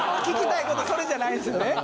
聞きたいことそれじゃないんですよね。